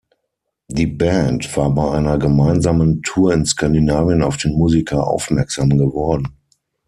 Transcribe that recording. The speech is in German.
Die Band war bei einer gemeinsamen Tour in Skandinavien auf den Musiker aufmerksam geworden.